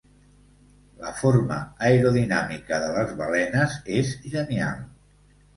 La forma aerodinàmica de les balenes és genial.